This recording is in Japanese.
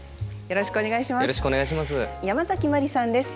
よろしくお願いします。